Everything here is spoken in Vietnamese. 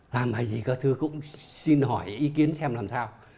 làm hay gì các thư cũng xin hỏi ý kiến xem làm sao